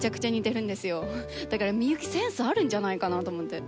だから深雪センスあるんじゃないかなと思って。